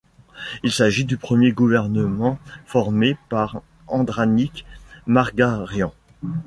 Il s'agit du premier gouvernement formé par Andranik Margarian.